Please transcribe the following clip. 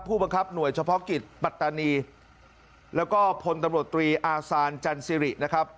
ผู้บังคับหน่วยเฉพาะกิจปัตตานีแล้วก็พลตำรวจตรีอาซานจันสิรินะครับ